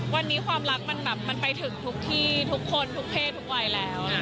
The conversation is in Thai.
วันนี้ความรักมันแบบมันไปถึงทุกที่ทุกคนทุกเพศทุกวัยแล้ว